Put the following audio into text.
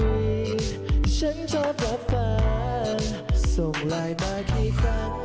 ถ้าฉันเจอแบบฝันส่งไลน์มาให้ฟัง